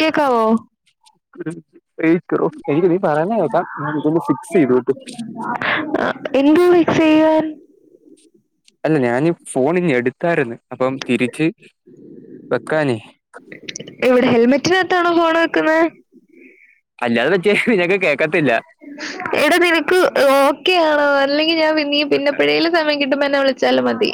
കേക്കാവോ ഉം [unintelligible] എനിക്ക് നീ പറയുന്നത് കേൾക്കാം ഞാനിതൊന്ന് ഫിക്സ് ചെയ്തോട്ട് ആ എന്ത് ഫിക്സ് ചെയ്യാൻ അല്ല ഞാൻ ഫോണിഞ്ഞെടുത്താരുന്ന് അപ്പം തിരിച്ച് വെക്കാനേ എവിടെ ഹെൽമെറ്റിനത്താണോ ഫോണ് വെക്കുന്നെ. അ [unintelligible] എടാ നിനക്ക് ഓക്കെ ആണോ? അല്ലെങ്കിൽ ഞാൻ നീ പിന്നെപ്പെഴേലും സമയം കിട്ടുമ്പോ എന്നെ വിളിച്ചാല് മതി.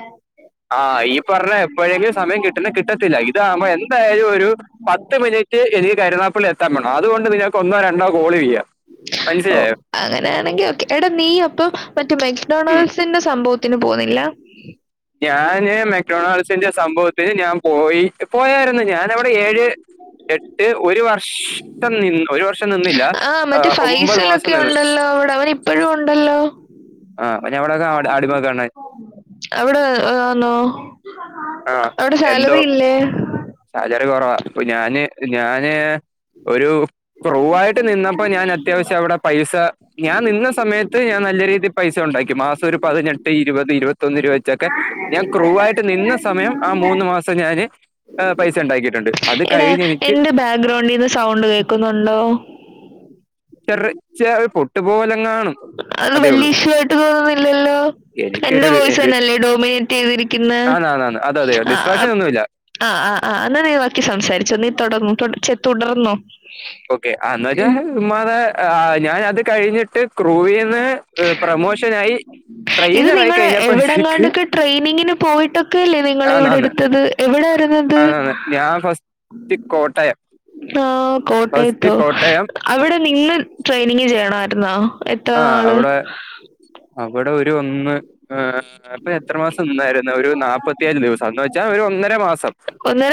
ആ ഈ പറഞ്ഞ എപ്പോഴെങ്കിലും സമയം കിട്ടുന്ന കിട്ടത്തില്ല. ഇതാമ്പോ എന്തായാലും ഒരു പത്ത് മിനിറ്റ് എനിക്ക് കരുനാപ്പളി എത്താൻ വേണം. അതുകൊണ്ട് നിങ്ങക്ക് ഒന്നോ രണ്ടോ കോൾ ചെയ്യ [inaudible] ഓ അങ്ങനെയാണെങ്കിൽ ക്കെ എടാ നീ അപ്പം മറ്റ ഉം മെക്ഡോണാൾഡ്സിന്റെ സംഭവ ത്തിന് പോന്നില്ല. ഞാന് മെക്ടണാൾസിന്റെ സംഭവത്തിന് ഞാൻ പോയി പോയായിരുന്നു ഞാനവിടെ ഏഴ് എട്ട് ഒരു വർ വഷം നിന്നു ഒരു വർഷം നിന്നില്ല ആ മറ്റേ ഒമ്പത് മാസം ഫൈസലൊക്കെ നിന്ന് ഉണ്ടല്ലോ അവിടെ അവൻ ഇപ്പോഴും ഉണ്ടല്ലോ ആഹ അപ്പൊ ഞവിടെക്കെ അടിമക്കണ അവിടെ ആ, ആണോ ആഹ അവിടെ എന്തോ സാലറി ഇല്ലേ സാലറി കുറവാ ഇപ്പ ഞാന് ഞാന് ഒരു പ്രൂവ ആയിട്ട് നിന്നപ്പോ ഞാൻ അത്യാവശ്യം അവിടെ പൈസ ഞാൻ നിന്ന സമയത്ത് ഞാൻ നല്ല രീതിയിൽ പൈസ ഉണ്ട ഉണ്ടാക്കി മാസം ഒരു പതിനെട്ട് ഇരുപത് ഇരുപത്തിന്ന് രുപ വെച്ചൊക്കെ ഞാൻ ക്രൂവായിട്ട് നി സമയം ആ മൂന്ന് മാസം ഞാന് പൈസ ഉണ്ടാക്കിയിട്ടുണ്ട്. അത് കഴിഞ്ഞ് എനിക്ക് ഇത് സൗണ്ട് കേൾക്കുന്നുണ്ടോ? ചെറ ചെ പൊട്ടുപോലൊെ? അത് വലിയ ഇഷായിട്ട് തോന്നുന്നില്ലല്ലോ? എനിക്കൊരു എന്റെ പോയ്സ തന്നല്ലേ ഡോമിനേറ്റ് ചെയ്തിരിക്കുന്ന. ആന്ന് ആന്ന് ആന്ന് അതെ അതെ ആ ആ് ഡിസ്ട്രാക്ഷൻ ഒന്നുമില്ല ആ ആഹ് എന്നാ വാക്കി സംസാരിച്ചോ നീ തുടങ്ങു ചേ തുടർന്നോ ഓക്കെന്ന് [unintelligible] ഞാൻ അത് കഴിഞ്ഞിട്ട് ക്രൂവ് ചെയ്യ ന് പ്രൊമോഷൻ ആയി. ഇത് നിങ്ങള് എവിടെങ്ങാണ്ടൊക്കെ ട്രെയിനിങ്ങിന് പോയിട്ടൊക്കെ അല്ലേ നിങ്ങള ഇവിടെ ആന്നാന്ന് എടുത്തത്. എവിടൊയിരരുന്നുന്ത്. ആന്നാന്ന് ഞാൻ ഫസ്റ്റ് കോട്ടയം ആ ഫസ്റ്റ് കോട്ടയത്തോ കോട്ടയം അവിടെ നിന്ന് ട്രെയിനിങ് ചെയ്യണാരരുന്നോ? ആഹ് അവിടെ അവിടെ ഒരു ഒന്ന്. ആഏർ ഇപ്പൊ എത്രമാസം നിന്നായിരുന്നു ഒരു നാല്പ്പത്തിയഞ്ച് ദിവസംന്ന് വെച്ചാൽ ഒരു ഒന്നര മാസം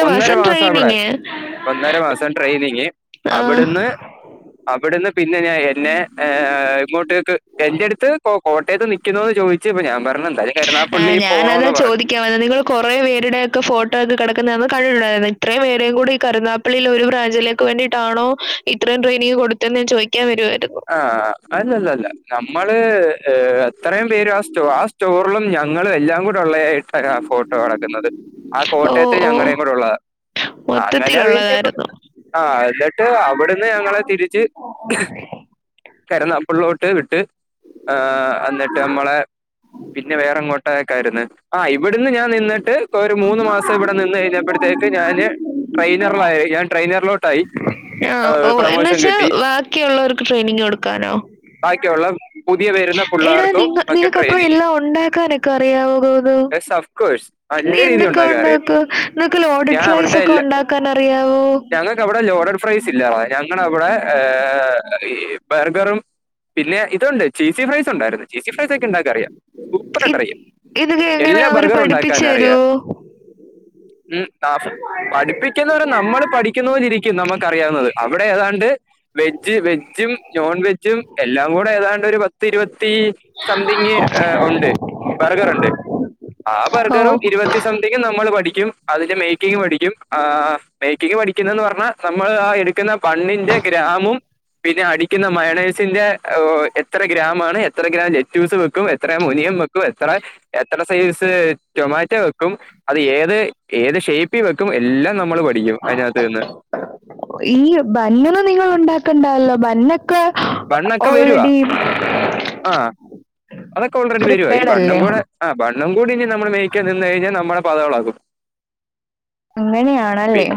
ഒന്നര മാസം അവിടെ ഒന്നര മാസം ട്രെയിനിങ് ആഹ് അവിടുന്ന് അവിടുന്ന് പിന്നെ ഞാൻ എന്നെ ക് എൻ്റെട്ത്ത് കോ കോട്ടയ്ത്ത് നിിക്കുന്നു എന്ന് ചോദിച്ചപ്പൊ ഞാൻ പർ ആ ഞാനതാ ചോദിക്കാവന്ന നിങ്ങള് കൊറെ പേരുടെ ഒക്കെ ഫോട്ടോ ഒക്കെ കട [unintelligible] ഇത്രയും പേരേ കൂടെ ഈ കരുുന്നാപ്പള്ളിെ ഒരു ബ്രാഞ്ചിലേക്ക് വേണ്ടിയിട്ടാണോ ഇത്രയും ട്രെയിനിങ് കൊട്ത്തെന്ന് ചോയ്ക്യാൻ വര് ആ അല്ലല്ലല്ല ന മ്മള് എത്രയും പേര് ആ സ്റ്റോ ആ സ്റ്റോർലും ഞങ്ങൾ എല്ലാം കൂടെഒളെ അരാ ഫോട്ടോ കളക്കുന്നത് ആ ഓഹ് കോട്ടയത്ത് ഓഹ് ഞങ്ങടേകുടെ ഉള്ളതാ അങ്ങനെ വേ മൊത്തത്തിലുള്ളതായിരുന്നു. വിടുന്ന് ആ എന്നിട്ട് അവിടുന്ന് ഞങ്ങളെ തിരിച്ച് കരന്നപ്പള്ളോട്ട് വിട്ട് ആ അന്നിട്ട് അമ്മളെ പിന്നെ വേറെങ്ങോട്ടെക്കാർന്ന് ആ ഇവിടുന്ന് ഞാൻ നിന്നിട്ട് ഒരു മൂന്ന്മാസ ഇവിടെ നിന്ന് കഴിഞ്ഞപ്പട്ത്തേക്ക് ഞാന് ട്രെയിനറിലയി ഞാൻ ട്രെയിനർലോട്ടായി ആ ഓ എന്നുവച്ചാ ബാക്കിയള്ളവർക്ക് ട്രെയിനിങ് കൊടുക്കാനോ ബാക്കിയുള്ള പുതിയ വരുന്ന എടാ പിള്ളേർക്കും നിങ്ങ ഒക്കെ നിനക്കപ്പോ ട്രെയിനിങ് എല്ലാം ഉണ്ടാക്കാനൊക്കെ അറിയാവോ ഗൂഗിൾ യെസ് ഓഫ് കോഴ്സ് നല്ല നീ രീതി എന്തൊക്കെ ഉണ്ടാക്കാൻ അറിയാം ഉണ്ടാക്ക നിക്ക് ലോഡട് ഞാൻ അവിടുത്തെ എല്ലാ ഫ്രൈസോക്കൊണ്ടാക്കാനറിയാവോ ഞങ്ങൾക്ക് അവിടെ ലോഡഡ് ഫ്രൈസ് ഇല്ല ഞങ്ങളവടെ ഏഹ്ഹ് ഈ ബർഗറും പിന്നെ ഇത്ണ്ട് ചീസി ഫ്രൈസ് ണ്ടായിര്ന്ന് ചീസി ഫ്രൈസെക്കെ ണ്ടാക്കറിയാം സൂപ്പറായിട്ട് റിയാം ഇതക്കെ എങ്ങനെ അവര് പഠിപ്പിച്ചു തരുവോ ഉം അഹ് പഠിപ്പിക്കുന്നവര് നമ്മൾ പഠിക്കുന്നവോലിരിക്കും നമുക്ക് അറിയാവുന്നത് അവിടെ ഏതാണ്ട് വെജ് വെജും നോൺ വെജ്ജും എല്ലാം കൂടെ ഏതാണ്ട് ഒരു പ ത്തിര്വത്തി സംതിങ്ങ് ഉണ്ട് ബർഗർണ്ട് ആ ബർഗറും ഓഹ് ഇരുപത്തിസംതിങ്നമ്മൾ പഠി ക്യും അതിന്റെ മേക്കിംഗ് പഠിക്കും ആ മേക്കിങ് പഠിക്കുന്നത്ന്ന് പറഞ്ഞാ നമ്മൾ ആ എട് ക്ന്ന ബണ്ണിന്റെ ഗ്രാമും പിന്നെ അടിക്കുന്ന മയണയ്സിന്റെ എത്ര ഗ്രാമാണ് എത്ര ഗ്രാം ലെറ്റൂസ് വെക്കും എത്ര മുനി ഇമ് വക്കു എത്ര എത്ര സൈസ് ടൊമാറ്റോ വെക്കും അത് ഏത് ഏത് ഷേപ്പിവെ ഈ ഭനൊന്നും നിങ്ങൾ ഉണ്ടാ ക്ണ്ടല്ലോ ബന്ന ഓൾറെഡീ അഹ് അതൊക്കെ ഓൾറെഡി വരുവാ ഇനി പ്രിപ്പയർഡ് ബണ്ണം അല്ലേ കൂടെ അഹ് ബണ്ണംകൂടി ഇനി നമ്മള് മേയിക്കാ നിന്ന് കഴിഞ്ഞാ നമ്മുടെ പദംഇളക്കും പി അങ്ങനെയാണല്ലേ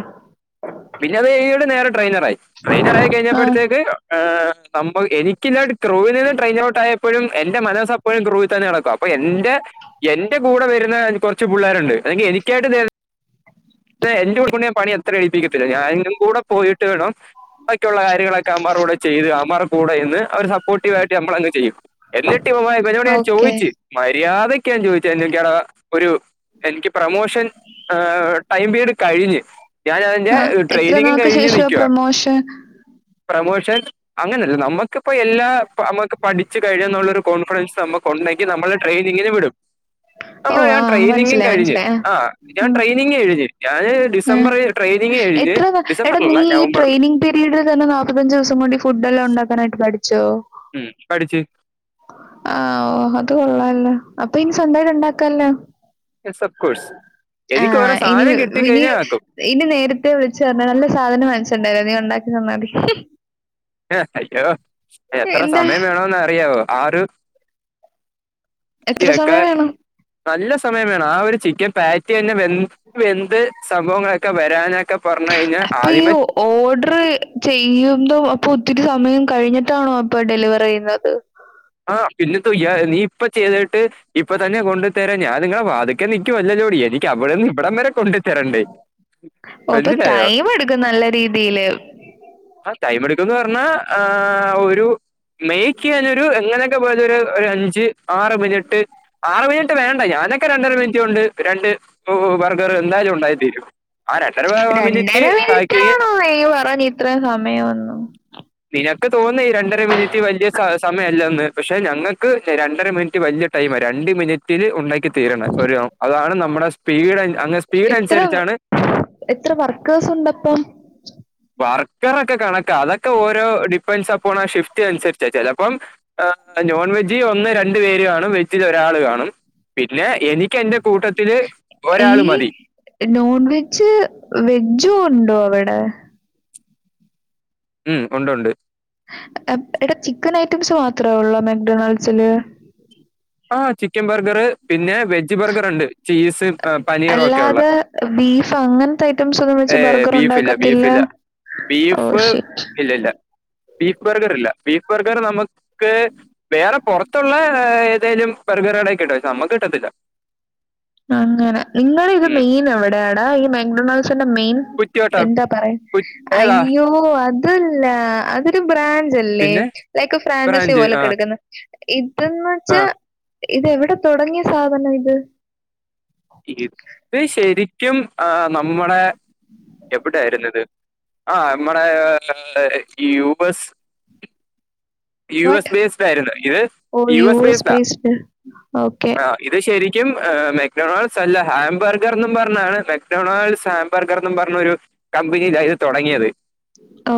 പിന്നെ അത് കഴിഞ്ഞിട്ട് നേ ട്രെയിനറായി ട്രെയിനറായി ആ കഴിഞ്ഞപ്പട്ത്തേക്ക് എഹ് സം എനികില്ലട്ത് ക്രൂവിൽ നിന്ന് ട്രയിൻ ഔട്ടയപ്പഴും എന്റെ മനസ്സപ്പോയും ക്രൂവി തെനെടക അപ്പൊ എന്റെ എന്റെ കൂടെ വരുന്ന കൊർച്ച് പുള്ളേര്ണ്ട് അല്ലങ്കിൽ എനിക്കായിട്ട്തെ എ എന്റെ [unintelligible] പണി ത്ര ഏൽപ്പിക്കത്തില്ല ഞാനും കൂടെ പോയിട്ട് വേണം ഒക്കെയുള്ള കാര്യങ്ങളൊക്കെ അവമാറുടെ ചെയ്ത് അവമാർ കൂടെയിന്ന് ഒരു സപ്പോർട്ടീവായിട്ടമ്മളങ് ചെയ്യും എല്ലിട്ടി [unintelligible] വനോട് ഞാൻ ഓക്കെ ചോയിച് മര്യാ തൊക്കെയാ [unintelligible] ഒരു എൻക്ക് പ്രമോഷൻ എഹ് ടൈം പീരയഡ് കഴിഞ്ഞ് ഞൻ അതിന്റെ ആ എത്ര ട്രെയിനിങ്ങും നാൾക്ക് കഴിഞ് ശേഷമാ നിക്കുവാ പ്രൊമോഷൻ പ്രമോഷ് ക്ഷെ അങ്ങനെല്ല നമ്മക്കിപ്പോ എല്ലാ മ്മക്ക് പഠിച്ച് കഴിനന്നുളൊരു കോൺഫിഡൻസ് നമുക്കൊണ്ടക്കി നമ്മളെ ട്രെയിനിങ്ങിൻ വിടും ഓ നമ്മള് ആ ഞാൻ ട്രെയിനിങ്ങും മനസ്സിലായി കഴിഞ് മനസ്സിലായി ആ ഞാൻ ട്രെയിനിങ്ങ കഴിഞ് ഞാന് ഏ ഡിസംബറിൽ ട്രെയിനിങ് കഴിഞ്ഞ് എത്ര എടാ നീ ഡിസംബറിലല്ല ഈ നവംബറിൽ ട്രെയിനിങ് പീരിട്തന്നെ നാല്പ്പത്തഞ്ചുസം കോണ്ടി ഫുഡ്‌ ല്ലോ ഉണ്ടാക്കാനായിട്ട് പഠിച്ചോ ഉം പഠിച്ച് ആ ഓ കൊള്ളാല്ലോ അപ്പൊ ഇനി സ്വന്തായിട്ട് ണ്ടാക്കല്ലോ സബ് കോഴ്സ് ആ എനിക്ക് ഓരോ ഇനി സാധനം വിനി കിട്ടിക്കഴിഞ്ഞാൽ ആക്കും ഇനി നേരിട്ട് വിളിച്ച് പറഞ്ഞ നല്ല സാധനം മനസ്സണ്ടറയെ ണ്ടാക്കി ന്നതി [unintelligible] അയ്യോ എത്ര എന്താ സമയം വേണെന്നറിയാവോ [unintelligible] [unintelligible] എത്ര ക്ക സമയം വേണം? നല്ല സമയം വേണം ആ ഒരു ചിക്കൻ പ [inaudible] പിന്നെന്ത് വെന്ത് സംഭവങ്ങളൊക്കെ വരാന അപ്പൊ ഈ ഓർഡർ ചെയ്യുമ്പോ അപ്പൊ ഒത്തിരി സമയം കഴിഞ്ഞിട്ടാണോ? ഇപ്പൊ ഡെലിവർ ചെയ്യുന്നത്. ആഹ് പിന്നെ തു ഇ നീ ഇപ്പ ചെയ്തിട്ട് ഇപ്പ തന്നെ കൊണ്ട് തരാൻ ഞാൻ നിങ്ങളെ വാതിക്ക നിൽക്കുവല്ല ന്തോടി എനിക്കവിടന്ന് ഇവിടം വരെ കൊണ്ടെ ചിറണ്ടേ ഓ അപ്പൊ മനസ്സിലായോ? ടൈം എടുക്കും നല്ല രീതിയില്. ആഹ് ടൈമ് എടുക്കന്ന് പറഞ്ഞാൽ ഒരു മൈക്കെയാൻ ഇത് എങ്ങനൊക്കെ പോയ അഞ്ച് ആറ് മിനിട്ട് ആറ് മിനട്ട് വേണ്ട ഞാനൊ ക്കൊരു ഒക്കെ രണ്ടര മിനിറ്റ് കൊണ്ട് രണ്ട് ഓ ബർഗർ എന്തായാലും ഒണ്ടായിത്തീരും. രണ്ടര മിനിട്ടാണോ യ് പറഞ് ഇത്രയും സമയൊന്നും നിനക്ക് തോന്നുന്നു ഈ രണ്ടര മിനിറ്റ് വലിയ സ സമയല്ലന്ന് പക്ഷെ ഞങ്ങക്ക് രണ്ടര മിനിറ്റ് വലിയ ടൈം രണ്ട് മിനിറ്റിൽ ഉണ്ടാക്കി തീരുണ ഒരു അതാണ് നമ്മുടെ സ്പീഡ അങ്ങനെ സ്പീഡ് എത്ര അനുസരിച്ചാണ് എത്ര വർക്കേഴ്സ് ഉണ്ടപ്പം? ബാർ പറൊക്കെ കണക്കാ അതൊക്കെ ഓരോ ടി [inaudible] ആ ഷിഫ്റ്റ് അനുസരിച്ചച്ച അപ്പം നോൺ വെജ് ഒന്ന് രണ്ട് പേര് കാണും വെജിലോരാ അത് കാണും പിന്നെ എനിക്ക് എന്റെ കൂട്ടത്തില് ഈ ഒരാള് മതി. നോൺ വെജ്... വെജ് ഒണ്ടോ അവിടെ? ഉം ഒണ്ടൊണ്ട്. ടിപ്സ് മാത്ര ള്ളു മെന്റണൽസില് ആ ചിക്കൻ ബർഗർ പിന്നെ വെജ് ബർഗർ ഉണ്ട് ചീസ് പനീറും ഒക്കെ ഉള്ള അല്ലാതെ ബീഫ് അങ്ങനത്തെ ഐറ്റംസ് ഒന്നും ഏ വെച്ച് ബർഗർ ബീഫില്ല ഉണ്ടാക്കത്തില്ല ബീഫില്ല ഓ ബീഫ് ഷിറ്റ്. ഇല്ലല്ല. ബീഫ് ബർഗർ ഇല്ല ബീഫ് ബർഗർ നമുക്ക് വേറെ പുറത്തുള്ള എഹ്ഹ ഏതെലും ബെർഗർകടയി കിട്ടും പക്ഷേ നമ്മക്ക് കിട്ടത്തില്ല അങ്ങനെ നിങ്ങളിത് ഉം മെയിൻ എവിടെയാടാ ഈ [unintelligible] [unintelligible] മെയിൻ കുറ്റിയോട്ടം എന്താ പറ കു ഏതാ അയ്യോ അതല്ല അതരു ബ്രാഞ്ച് അല്ലേ? പിന്നെ ലൈക്ക് ഫ്രാഞ്ചൈസി ബ്രാഞ്ച് പോലെ ആഹ് കെടക്കുന്ന ഇതന്ന് വെച്ചാ ആഹ് ഇതെവിടെ തുടങ്ങിയ സാധനം ഇത് ഇപ്പൊ ശരിക്കും ആ നമ്മ നമ്മടെ എവിടെയിരുന്നത് ആ നമ്മടെ [unintelligible] ഈ Ubers you what? S based ആയിരുന്നു ഇത് ഓ യുഎസ് ബേസ്ഡ ബേസ്ഡ്. ഓക്കെ. ആ ഇത് ശരി ും മെക്ഡൊണാൾഡ്സ് ല്ല ഹാാംബർഗർ എന്നന്ന് പറഞാന് മെത്തഹാംബർഗർ എന്ന് പറഞ്ഞൊരു കമ്പനി കൈ [unintelligible] തുടങ്ങിയത്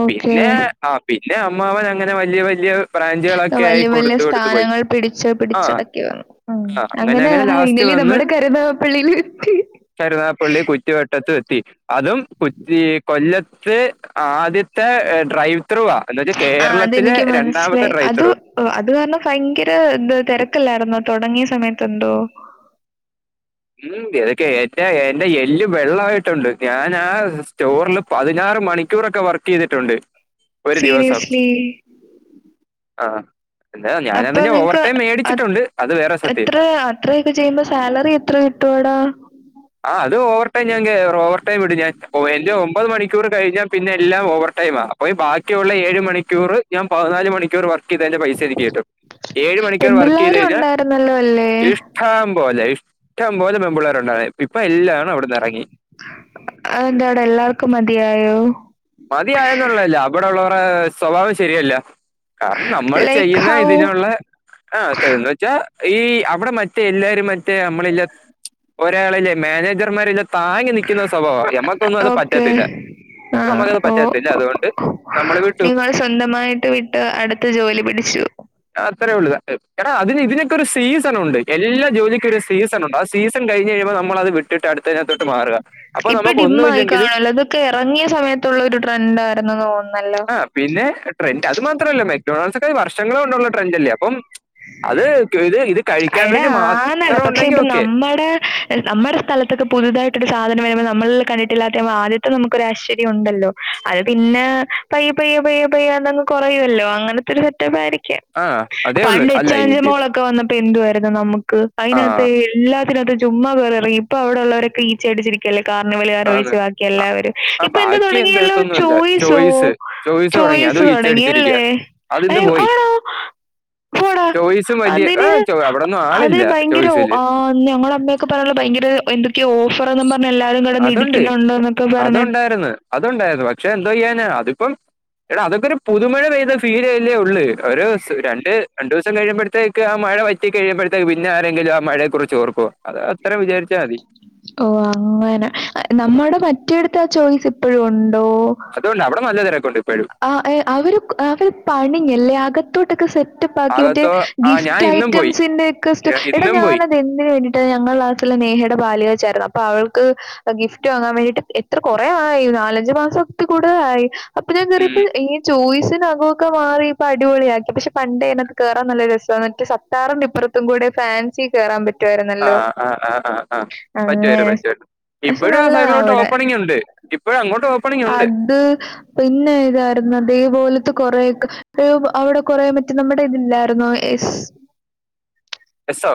ഓക്കെ. പിന്നെ ആ പിന്നെ അമ്മാവൻ അങ്ങനെ വലിയ വലിയ ബ്രാഞ്ചുകളൊക്കെ ആയി വല്യ വല്യ കൊടുത്തു കൊടുത്തു പോയി സ്ഥാനങ്ങൾ പിടിച്ച ആ പിടിച്ചടക്കി വന്നു. ഉം അങ്ങനെ [unintelligible] നമ്മുടെ കരുനാഗപ്പള്ളിയിലെത്തി. കരുനാഗപള്ളി കുറ്റി വട്ടത്ത് [inaudible] അതും കൊച്ചി കൊല്ലത്ത് ആദ്യത്തെ ഡ്രൈവ് എത്ര രൂപ എന്ന് വെച്ചാ കേരളത്തിലെ രണ്ടാമത്തെ മനസിലായി ഡ്രൈവ് അത് ത്രൂ അത് കാരണം ഭയങ്കര ന്ത തിരക്കല്ലായിുന്നോ? തുടങ്ങിയ സമയത്ത് എന്തോ? ഉം തൊക്കെ ഏറ്റ എന്റെ എല്ല് വെള്ളമായിട്ടുണ്ട് ഞാൻ ആ സ്റ്റോറില് പതിനാല് ആറ് മണിക്കൂറൊക്കെ വർക്ക് ചെയ്തിട്ടുണ്ട്. ഒരു ദിവസം സീരിയസ്ലീ ആ എന്താ അപ്പൊ ഞാനതിന്റെ ഓവർ നിങ്ങക്ക് ടൈം അ മേടിച്ചിട്ടുണ്ട് അത് വേറെ സത്യം എത്ര അത്രയൊക്കെ ചെയ്യുമ്പോ സാലറി എത്രെ? തൊടാ ആ അത് ഓവർടൈംഞാൻകേറും ഓവർടൈം ഇടുംഞാൻഎന്റെ ഒമ്പത് മണിക്കൂർകഴിഞ്ഞാ പിന്നെ എല്ലാം ഓവർ ടൈമാ അപ്പോ ഈ ബാക്കിയുള്ള ഏഴ് മണിക്കൂറ് ഞാൻ പതിനാല് മണിക്കൂർ വർ നിക്ക് ‌ചെയ്തെന്റെ പൈസ എനിക്ക് കിട്ടും ഏഴ് മണിക്കൂർ വർക്ക് ചെയ്ത് പെമ്പിള്ളാരും കഴിഞ്ഞാൽ ഉണ്ടായിരുന്നല്ലോ അല്ലേ? ഇഷ്ടം പോലെ ഇഷ് ഇഷ്ടം പോലെ പെമ്പ്പിള്ളേര് ഉണ്ടായി. ഇപ്പൊ എല്ലാ എണ്ണവും അവിടുന്ന് എറങ്ങി. അതെന്താടെ എല്ലാർക്കും മതിയായോ? മതിയയെന്നുള്ളല്ല അവിടെ ഉള്ളവരുടെ സ്വഭാവം ശരിയല്ല. കാരണം നമ്മള് ലൈക്ക് ചെയ്യുന്ന ഹൗ? ഇതിനുള്ള ആ യേന്ന് വച്ചാ. ഈ അവിടെ മറ്റേ എല്ലാരും മറ്റേ നമ്മളില്ലേ ഒരാളില്ലേ മാനേജർമാരില്ലേ. താങ്ങി നിക്കുന്ന സ്വഭാവ എമ്മക്കൊന്നു ഓക്കെ. അത്പറ്റത്തില്ല ആഹ് ഓ ഓ. നമ്മക്കത്പറ്റത്തില്ലഅതുകൊണ്ട് നിങ്ങൾ സ്വന്തമായിട്ട് വിട്ട് അടുത്ത ജോലിപിടിച്ചു. അത്രേ ഉള്ള് എടാ അതിന് ഇതിനൊക്കെ ഒരു സീസൺ ഉണ്ട്, എല്ലാ ജോലിക്കും ഒരു സീസൺ ഉണ്ട്, ആ സീസൺ കഴിഞ്ഞ് കഴിയുമ്പോ. നമ്മളത് വിട്ടിട്ട് അടുത്തെനത്തോട്ട് മാറുക അപ്പൊ ഇപ്പൊ നമുക്ക് ഡിമ്മായി ഒന്നുമില്ലെക്കിലും. കാണുവല്ലോ അതൊക്കെ എറങ്ങിയ സമയത്തുള്ള ഒരു ട്രെൻഡായിരുന്നെന്ന് തോന്നുന്നല്ലോ. ആ പിന്നെ ട്രെൻഡ് അത് മാത്ര അല്ല മെക്ഡോണാൾസ് ഒക്കെ. വർഷങ്ങള് കൊണ്ടുള്ള ട്രെൻഡ് അല്ലേ അപ്പം അത് ക്യുത് ഇത് കൈ. എടാ ആനെടാ പക്ഷെ ഇപ്പ നമ്മടെ നമ്മടെ സ്ഥലത്തൊക്കെ പുതുതായിട്ടൊരു സാധനം വരു നമ്മളിൽ കണ്ടിട്ടില്ലാത്ത ആദ്യത്തെ നമുക്ക് ഒരു ആശ്ചര്യം ഉണ്ടല്ലോ അത് പിന്നെ പയ്യ പയ്യ പയ്യെ. പെയ്യെ അതങ്ങ് കൊറയുവല്ലോ അങ്ങനത്തെ ഒര് സെറ്റപ്പ് ആയിരിക്കാം, ആ അതേ ഉള്ളു പണ്ട് അല്ല ഇച്ചാഞ്ചയന്റെ ഇത് മോളൊക്കെ വന്ന എന്തുവാരുന്ന് നമ്മക്ക് ആ അയ്നകത്തെ എല്ലാത്തിനത്തും ചുമ്മാകേറി ഇറങ്ങി. ഇപ്പൊ അവിടെള്ളവരൊക്ക ഈച്ച അടിച്ചിരിക്കല്ലേ. കാർണിവല്ലുക്കാരു ആണ് ഒഴിച്ചു ബാക്കി എല്ലാവരും ആ ഇപ്പൊ എന്തോ ബാക്കി തുടങ്ങിയല്ലോ എന്തൊന്നുമില്ല ചോയ്സോ ചോയ്സ് ചോയ് ചോയ്സ് തുടങ്ങി ചോയിസ് അതും തുടങ്ങിയല്ലോ ഇച്ചടിച്ചിരിക്കുക അത് ഇന്ന് അയ്യോ പോയി ആണോ? ഹ്. പോടാ ചോയ്സും വലിയ ആ അതിന്. ചോ അവിടെ ഒന്നും അത് ആളില്ല ഭയങ്കര ഒ ചോയ്സിൽ ഹ് ഞങ്ങള അമ്മയൊക്കെ പറയന്നല്ലോ ഭയങ്കര എന്തൊക്കെയോ ഓഫർ എന്ന് പറ അതുണ്ട് അത് ഉണ്ടായിരുന്ന് അത് ഉണ്ടായിരുന്ന് പക്ഷെ എന്തോ ചെയ്യാനാ അതിപ്പം. എടാ അതൊക്കെ ഒരു പുതുമഴ പെയ്ത ഫീൽ അല്ലേ ഉള്ള് ഒരു സ് രണ്ട് രണ്ടുദിവസം കഴിയുമ്പോഴത്തേക്ക് ആ മഴ. മഴവറ്റികഴിയുമ്പഴത്തേക്ക്പിന്നെ ആരെങ്കിലും അ മഴെക്കുറിച്ച് ഓർക്കോഅത്അത്രംവിചാ ഓ അങ്ങനെ ഹ് നമ്മുടെ മറ്റെടുത്ത് ആ ചോയ്സ് ഇപ്പോഴും ഒൻ അതുകൊണ്ട് അവിടെ നല്ല തെരക്ക്‌. ആ ഏഹ് അവര് അവര് പണിഞ്ഞല്ലേഅകത്തോട്ടൊക്കെ സെറ്റപ്പ് ആാക്കിട്ട് അകത്തോ ആ ഞാൻ ഗിഫ്റ്റ് ഇന്നും പോയി ഐറ്റംസിന്റെക്കെസ്റ്റോ ഞാ- എടാ ഇന്നും പോയി ഞാനത് എന്തിന് വേണ്ടിട്ടാ ഞങ്ങടെ ക്ലാസിലെ നേഹേടെ പാല് കാച്ച് ആയിരുന്ന് അപ്പോ അപ്പൊ അവൾക്ക് ഗിഫ്റ്റ് വാങ്ങാൻ വേണ്ടിട്ട് എത്ര കൊറേ ആയി നാലഞ്ചുമാസക്കെ കൂടുതലായി. ഇപ്പ ഞാൻ ഉം കേറിയപ്പം ഏയ് ചോയ്സ്. അതിനാക ഒക്കെ മാറി ഇപ്പാ അടിപൊളിയാക്കി പക്ഷെ പണ്ടേ ആയിനകത്തു കേറാൻ നല്ല രസം ആണ് എനക്ക് സത്താറിന്റെഇപ്പറത്തുംക്കൂടെ. ഫാൻസി കേറാൻ പ റ്റു ആ ആയിരുന്നല്ലേ ആ ആ ആ ആ അങ്ങനെ പറ്റുമായിരുന്നു പറ്റുമായിരുന്നു പക്ഷെ ഇപ്പോഴും ആ നല്ലതാ സൈഡിലോട്ട് അവിടെ. ഓപ്പണിംഗ് ഉണ്ട് ഇപ്പോഴും അങ്ങോട്ട് ഓപ്പണിംഗ് ഉണ്ട് അത്. പിന്നെ ഇതായിരുന്ന് അതേപോലത്തെ കൊറെയൊക്കെ അയ്യോ അവിടെ കൊറേ മറ്റ നമ്മുടെ ഇതില്ലായിരുന്നോ ഏ സ്സ് എസോ.